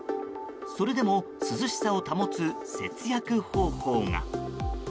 それでも涼しさを保つ節約方法が。